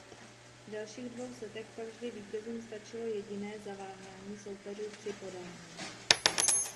V dalších dvou setech pak vždy vítězům stačilo jediné zaváhání soupeřů při podání.